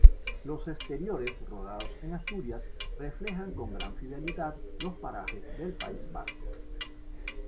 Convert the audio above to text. Los exteriores rodados en Asturias, reflejan con gran fidelidad los parajes del País Vasco.